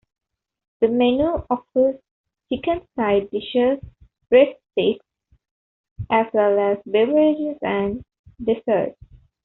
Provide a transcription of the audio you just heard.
The menu offers chicken side dishes, breadsticks, as well as beverages and desserts.